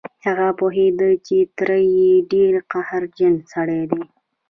هغه پوهېده چې تره يې ډېر قهرجن سړی دی.